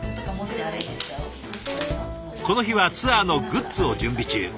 この日はツアーのグッズを準備中。